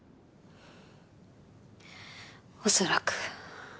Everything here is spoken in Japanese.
おそらく。